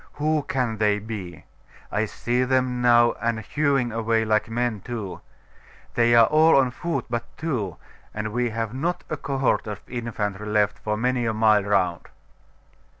Who can they be? I see them now, and hewing away like men too. They are all on foot but two; and we have not a cohort of infantry left for many a mile round.